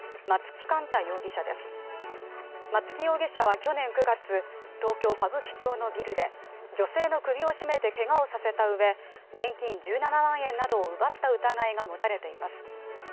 松木容疑者は去年９月、東京・歌舞伎町のビルで女性の首を絞めてけがをさせたうえ現金１７万円などを奪った疑いが持たれています。